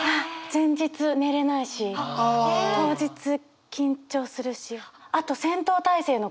前日寝れないし当日緊張するし。